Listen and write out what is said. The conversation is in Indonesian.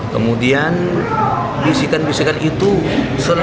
kemudian bisikan bisikan itu selalu